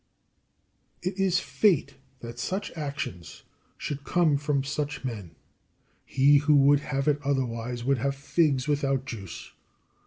6. It is fate that such actions should come from such men. He who would have it otherwise would have figs without juice.